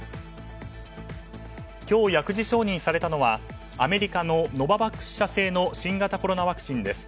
今日、薬事承認されたのはアメリカのノババックス社製の新型コロナワクチンです。